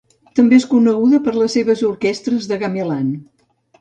També és coneguda per les seves orquestres de gamelan.